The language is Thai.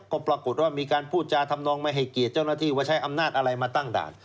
ก็ปรากฏว่ามีการพูดจาทำนองไม่ให้เกียรติเจ้าหน้าที่ว่าใช้อำนาจอะไรมาตั้งด่าน